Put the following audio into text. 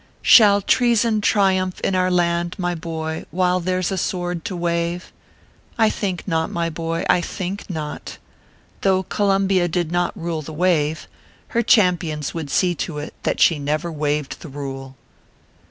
Shall treason triumph in our land, my boy, while there s a sword to wave ? I think not, my boy, I think not. Though Columbia did not rule the wave, her champions would see to it that she never waived the rule.